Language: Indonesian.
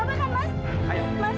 pak pak sudah